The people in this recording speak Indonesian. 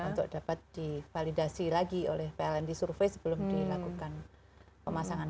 untuk dapat di validasi lagi oleh plnd survey sebelum dilakukan pemasangan